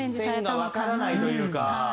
線がわからないというか。